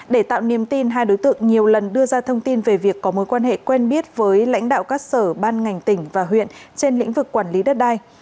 để tạo niềm tin hai đối tượng nhiều lần đưa ra thông tin về việc có mối quan hệ quen biết với lãnh đạo các sở ban ngành tỉnh và huyện trên lĩnh vực quản lý đất đai